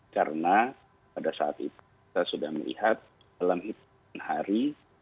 karena pada saat itu kita sudah melihat dalam hitam hari